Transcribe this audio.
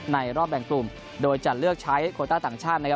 รอบแบ่งกลุ่มโดยจะเลือกใช้โคต้าต่างชาตินะครับ